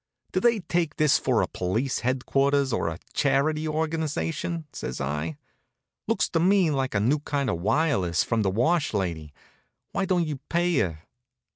"Do they take this for police headquarters, or a Charity Organization?" says I. "Looks to me like a new kind of wireless from the wash lady. Why don't you pay her?"